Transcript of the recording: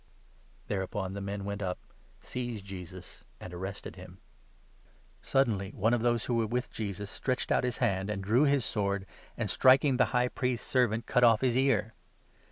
Thereupon the men went up, seized Jesus, and arrested him. 3» Ps. 43. 5. 94 MATTHEW, 26. Suddenly one of those who were with Jesus stretched out his 51 hand, and drew his sword, and striking the High Priest's servant, cut off his ear.